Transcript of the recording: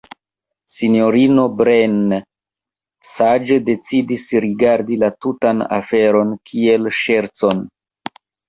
Sinjorino Breine saĝe decidis rigardi la tutan aferon kiel ŝercon.